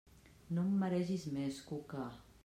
No em maregis més, Cuca!